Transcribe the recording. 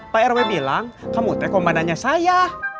pak rw bilang kamu tekom badannya saya